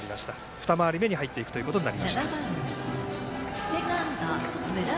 ２回り目に入っていくことになりました。